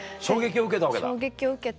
衝撃を受けたわけだ。